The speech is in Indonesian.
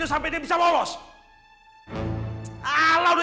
terus orang mungkin diambil bergurau ada